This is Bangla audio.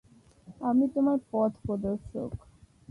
আমি তোমার পথ প্রদর্শক।